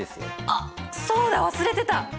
あっそうだ忘れてた！